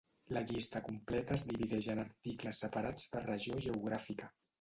La llista completa es divideix en articles separats per regió geogràfica.